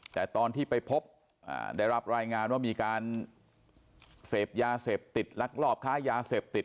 แต่ตอนที่ไปพบได้รับรายงานว่ามีการเสพยาเสพติดลักลอบค้ายาเสพติด